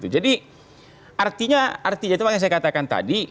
jadi artinya artinya itu yang saya katakan tadi